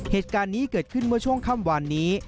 เหตุการณ์นี้เกิดขึ้นเมื่อช่วงค่ำวานนี้